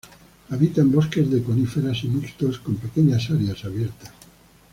Habita en bosques de coníferas y mixtos con pequeñas áreas abiertas.